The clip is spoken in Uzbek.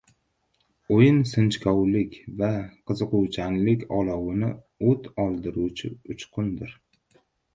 O‘yin sinchkovlik va qiziquvchanlik olovini o‘t oldiruvchi uchqundir.